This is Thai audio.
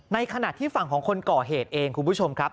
ในขณะที่ฝั่งของคนก่อเหตุเองคุณผู้ชมครับ